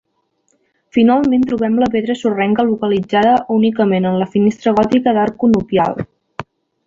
Finalment trobem la pedra sorrenca localitzada únicament en la finestra gòtica d'arc conopial.